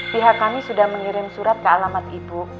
pihak kami sudah mengirim surat ke alamat ibu